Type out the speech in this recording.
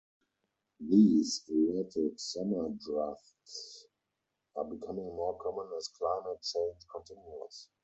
These erratic summer droughts are becoming more common as climate change continues.